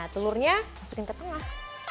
telurnya masukkan ke tengah